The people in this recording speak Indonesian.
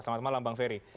selamat malam bang ferry